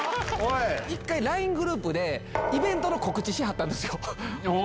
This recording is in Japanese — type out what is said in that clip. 一回ＬＩＮＥグループで、イベントの告知しはったんですよ。